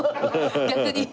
逆に。